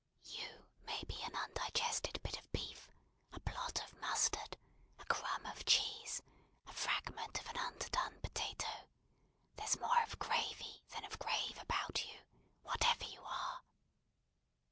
You may be an undigested bit of beef, a blot of mustard, a crumb of cheese, a fragment of an underdone potato. There's more of gravy than of grave about you, whatever you are!"